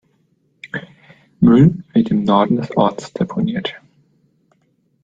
Müll wird im Norden des Orts deponiert.